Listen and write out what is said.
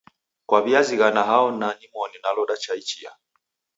Kwaw'iazighana hao na nimoni naloda cha ichia?